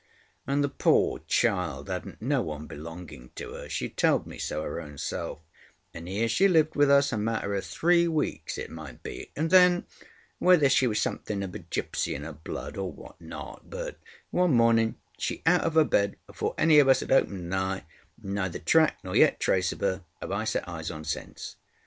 And the pore child hadnŌĆÖt no one belonging to herŌĆöshe telled me so her own selfŌĆöand here she lived with us a matter of three weeks it might be; and then, whether she were somethink of a gipsy in her blood or what not, but one morning she out of her bed afore any of us had opened a eye, and neither track nor yet trace of her have I set eyes on since.